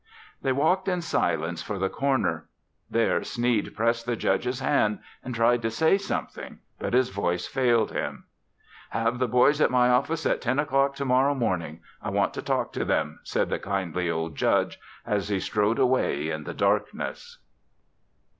They walked in silence to the corner. There Sneed pressed the Judge's hand and tried to say something, but his voice failed him. "Have the boys at my office at ten o'clock to morrow morning. I want to talk to them," said the kindly old Judge as he strode away in the darkness.